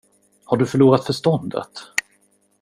Har du förlorat förståndet?